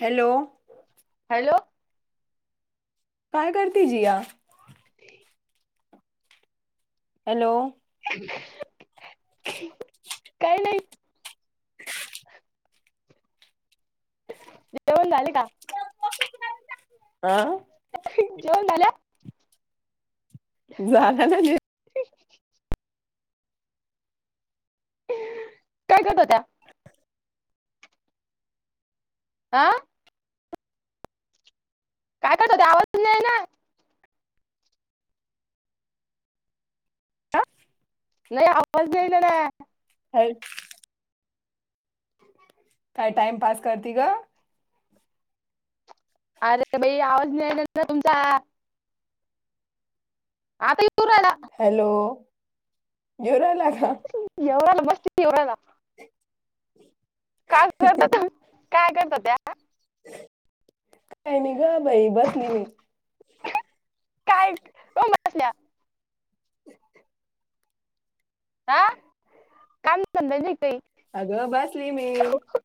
Hello hello काय करती Jiya hello [unintelligible] काही नाही [inaudible] जेवण झाले का आं [unintelligible] जेवण झाल झाल ना जेवण [unintelligible] [unintelligible] काय करत होत्या आं काय करत होते आवाज पण नाहीये ना हां नाही [unintelligible] हॅलो काय टाइम पास करती ग अरे बाई आवाज नाहि [unintelligible] ना तुमचा आता येऊ राहिला हॅलो येऊ राहिला का येऊ राहिला [unintelligible] येऊ राहिला [unintelligible] [unintelligible] काय करता त्या काय नाहि ग बाई बसली मी काय [unintelligible] हा काम धंदा नाही काही अगं बसली मी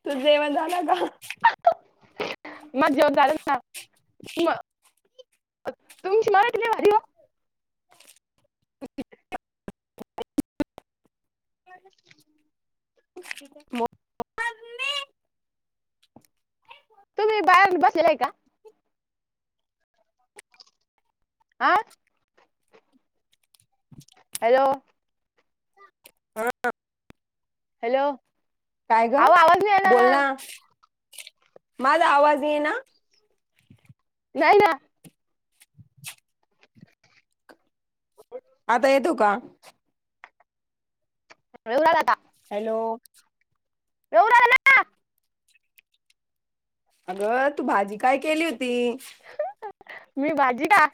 तुझ जेवण झाल का माझ जेवन झालंच ना म तुमची मराठी लई भारी ओ [inaudible] मो तुम्ही बाहेर बसेलेले का आ हॅलो हॅलो हॅलो का ग अहो आवाज नाही येणार बोल ना माझा आवाज इना नाही ना आता येतो का येऊ राहिला का हॅलो येऊ राहिला ना अगं तु भाजी काय केली होती ह ह मी भाजी का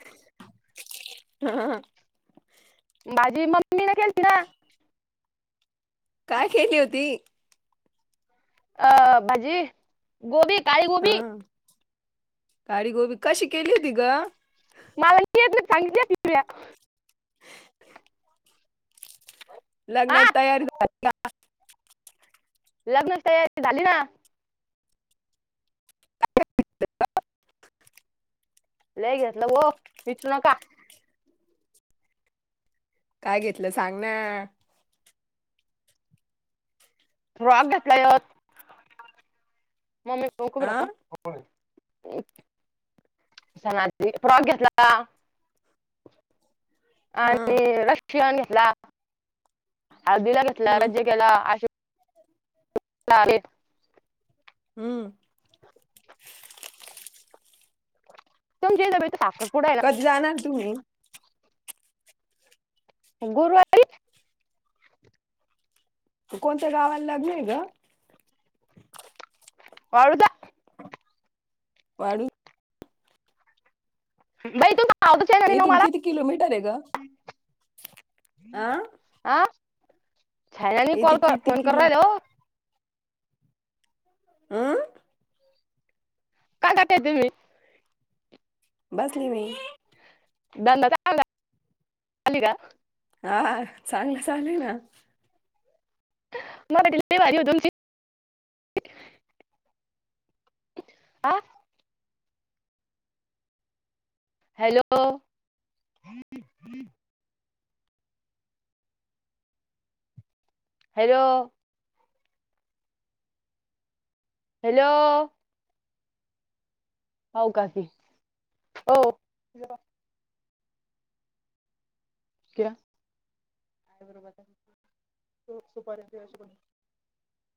ह ह. माझी मम्मी केलती ना काय केेली होती. अ भजी गोबी ताय गोबी. हा काळी गोबी कशी केली होती ग मलाेत सांगित [unintelligible] हा लग्नाची तयारी झाली. लग्नाची तयारी झाली ना [inaudible] लय घेतलं हो पीचल का काय घेतलं सांग ना फ्रांक घेतला एक मी खूब आ राहता होय सणा ची फ्रॉक घेतला का हा आणि रशियान घेतला हळदीला घेतला हम्म रज्ज केला अशी ला [inaudible] हुम्म तुमच्याईद बी साखरपुडा जा ना तुम्ही गुरवार कोणत्या गावाला लग्न आहे ग वाळदा वाळीन नाही [inaudible] ये तुन किती किलो मीटर हाय ग आ आं छायनानी इथे कॉल कर किती फोन करु किलो राहिल्या हो आ काय करताय तुम्ही? बसली मी. धंदा झाला आली का? हा चांगला चालुय ना. म तर लय भारी ओ तुमचे. [unintelligible] हा. हॅलो! हॅलो! हॅलो! आव काकी हो. क्या [inaudible]